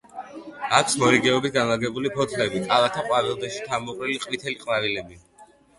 აქვს მორიგეობით განლაგებული ფოთლები, კალათა ყვავილედში თავმოყრილი ყვითელი ყვავილები.